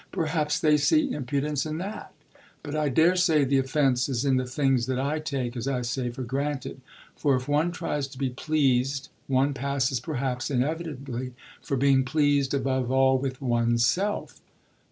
Perhaps they see impudence in that. But I daresay the offence is in the things that I take, as I say, for granted; for if one tries to be pleased one passes perhaps inevitably for being pleased above all with one's self.